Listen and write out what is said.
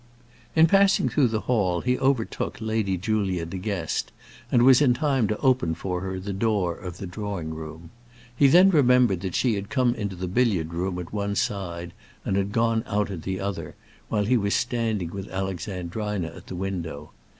In passing through the hall he overtook Lady Julia De Guest, and was in time to open for her the door of the drawing room. He then remembered that she had come into the billiard room at one side, and had gone out at the other, while he was standing with Alexandrina at the window.